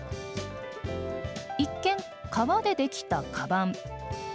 一見、革でできたかばん。